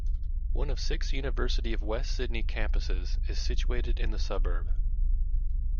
One of six University of Western Sydney campuses is situated in the suburb.